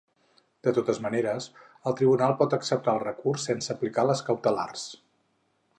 De totes maneres, el tribunal pot acceptar el recurs sense aplicar les cautelars.